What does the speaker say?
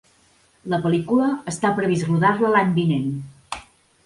La pel·lícula està previst rodar-la l’any vinent.